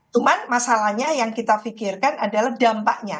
cuman masalahnya yang kita pikirkan adalah dampaknya